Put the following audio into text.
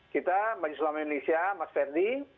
kita majelis lama indonesia mas fendi